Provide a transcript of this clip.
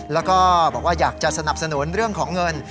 แล้วก็บอกว่าอยากจะสนับสนุนเรื่องของเงิน